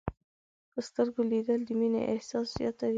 په سترګو لیدل د مینې احساس زیاتوي